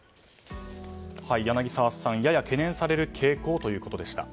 柳澤さん、やや懸念される傾向ということでした。